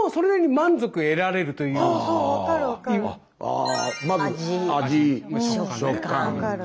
あまず味・食感。